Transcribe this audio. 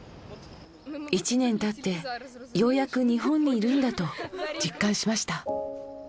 １年たって、ようやく日本にいるんだと実感しました。